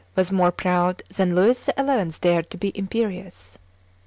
was more proud than Louis XI. dared to be imperious.